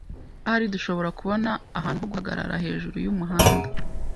Ahari dushobora kubona ahantu ho guhagarara hejuru yumuhanda .